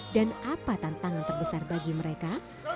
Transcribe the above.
dan apa tantangan terbesar bagi mereka